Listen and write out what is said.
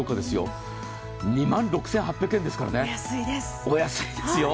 ２万６００円ですから、お安いですよ。